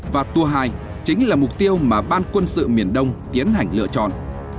và tour hai chính là mục tiêu mà ban quân sự miền đông tiến hành lựa chọn